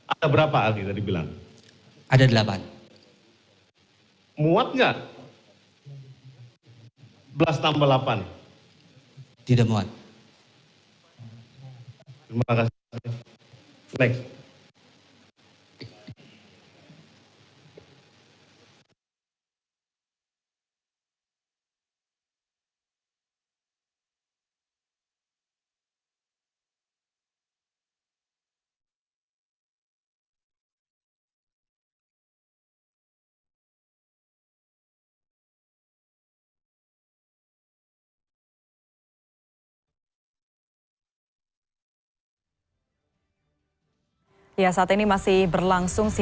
ada berapa ahli tadi bilang